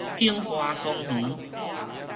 景華公園